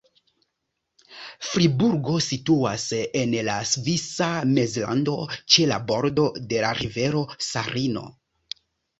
Friburgo situas en la Svisa Mezlando ĉe la bordo de la rivero Sarino.